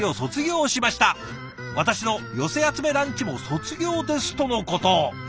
私の寄せ集めランチも卒業です」とのこと。